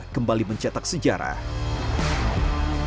kembali mencetak sejarah